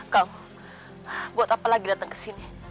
kau buat apa lagi datang ke sini